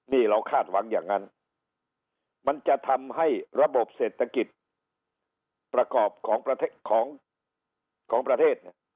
นี่เราคาดหวังอย่างนั้นมันจะทำให้ระบบเศรษฐกิจประกอบของประเทศ